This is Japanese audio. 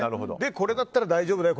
これだったら大丈夫だよ